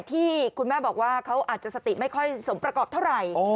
ที่คุณแม่บอกว่าเขาอาจจะสติไม่ค่อยสมประกอบเท่าไหร่